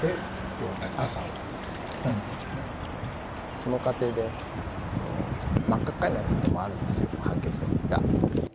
その過程で真っ赤っかになることもあるんですよ判決が。